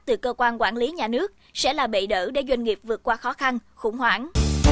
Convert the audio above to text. từ cơ quan quản lý nhà nước sẽ là bệ đỡ để doanh nghiệp vượt qua khó khăn khủng hoảng